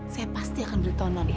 saya pasti akan beritahu non ya